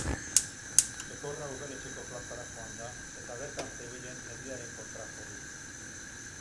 Txekorra udaletxeko plazara joan da eta bertan zebilen jendearen kontra jo du.